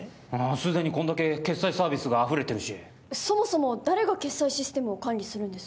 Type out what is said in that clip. すでにこんだけ決済サービスがあふれてるしそもそも誰が決済システムを管理するんです？